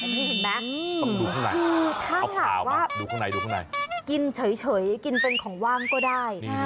นี่เห็นมั้ยถ้าหากว่ากินเฉยกินเป็นของว่างก็ได้